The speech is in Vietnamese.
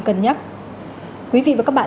cân nhắc quý vị và các bạn